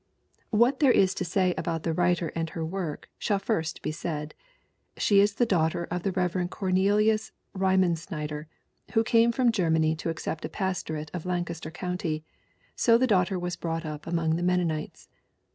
What there is to say about the writer and her work shall first be said. She is the daughter of the Rev. Cornelius Reimensnyder, who came from Germany to accept the pastorate of Lancaster county, so the daughter was brought up among the Mennonites.